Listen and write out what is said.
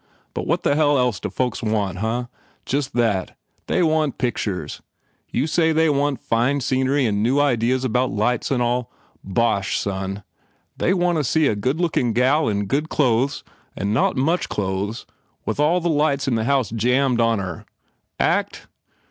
And what the hell else do folks want, huh? Just that. They want pictures. You say they want fine scenery and new ideas about lights and all? Bosh, son! They want to see a. good lookin gal in good clothes and not much clothes with all the lights in the house jammed on her. Act?